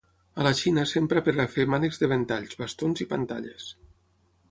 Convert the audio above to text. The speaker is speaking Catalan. A la Xina s'empra per a fer mànecs de ventalls, bastons i pantalles.